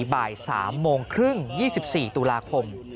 บ่าย๓โมงครึ่ง๒๔ตุลาคม